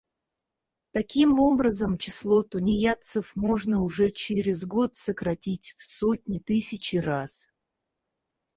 Таким образом, число тунеядцев можно уже через год сократить в сотни, тысячи раз.